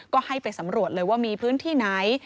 ก็ให้ไปสำรวจเลยว่ามีพื้นที่ไหน